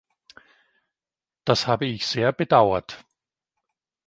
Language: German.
Das habe ich sehr bedauert.